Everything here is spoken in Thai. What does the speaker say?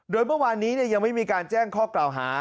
โดยเมื่อวานนี้ยังไม่มีการแจ้งข้อกล่าวหา